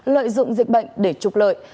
lợi dụng dịch bệnh để trục lợi